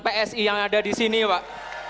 psi yang ada disini pak